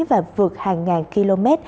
và vượt hàng ngàn km